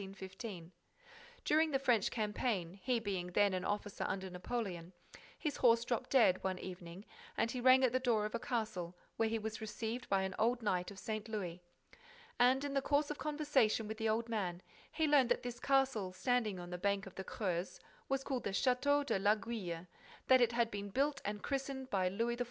During the French campaign, he being then an officer under Napoleon, his horse dropped dead, one evening, and he rang at the door of a castle where he was received by an old knight of St. Louis. And, in the course of conversation with the old man, he learnt that this castle, standing on the bank of the Creuse, was called the Château de l'Aiguille, that it had been built and christened by Louis XIV.